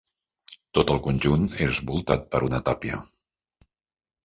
Tot el conjunt és voltat per una tàpia.